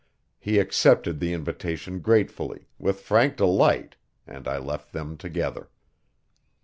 He accepted the invitation gratefully, with frank delight, and I left them together.